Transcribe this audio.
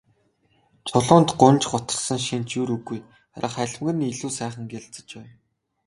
Чулуунд гуньж гутарсан шинж ер үгүй, харин халимаг нь илүү сайхан гялалзаж байв.